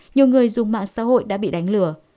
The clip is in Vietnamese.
nhiều người dùng mạng xã hội đã bị đánh lừa